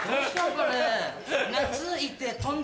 これ。